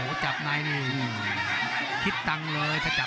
โหโหโหโหโหโหโห